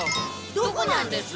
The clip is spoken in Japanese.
どこなんです？